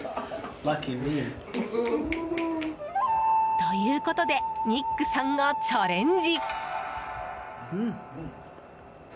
ということでニックさんがチャレンジ。